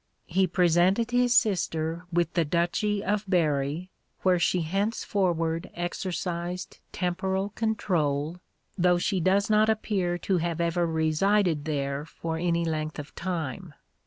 He presented his sister with the duchy of Berry, where she henceforward exercised temporal control, though she does not appear to have ever resided there for any length of time.